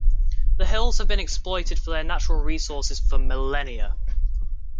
The hills have been exploited for their natural resources for millennia.